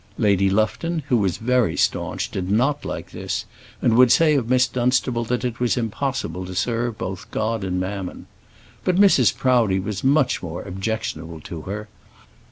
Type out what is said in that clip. Lady Lufton, who was very staunch, did not like this, and would say of Miss Dunstable that it was impossible to serve both God and Mammon. But Mrs. Proudie was much more objectionable to her.